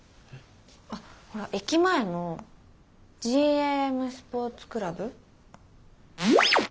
あっほら駅前のＧＡＭスポーツクラブ。